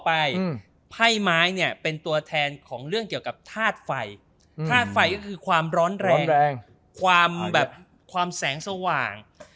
ไพ่ไม้เนี่ยเป็นตัวแทนของเรื่องเกี่ยวกับธาตุไฟธาตุไฟก็คือความร้อนแรงความแบบความแสงสว่าง